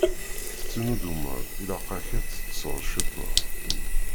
Tettnuddumeḍ, ilaq-ak ad teṭṭseḍ ciṭuḥ.